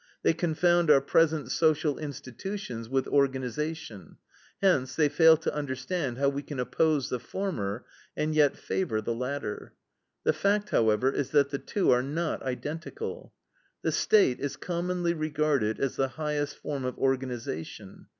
They confound our present social institutions with organization; hence they fail to understand how we can oppose the former, and yet favor the latter. The fact, however, is that the two are not identical. "The State is commonly regarded as the highest form of organization.